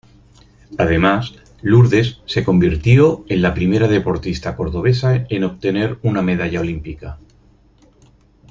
Además, Lourdes se convirtió en la primera deportista cordobesa en obtener una medalla olímpica.